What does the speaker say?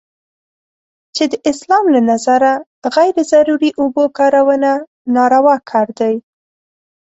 چې د اسلام له نظره غیر ضروري اوبو کارونه ناروا کار دی.